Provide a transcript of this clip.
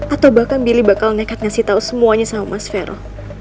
atau bahkan billy bakal nekat ngasih tahu semuanya sama mas vero